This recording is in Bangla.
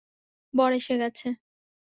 বর এসে গেছে।